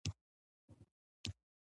زه ستاسو د امر عملي کولو ته تیار یم.